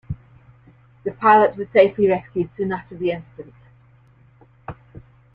The pilot was safely rescued soon after the incident.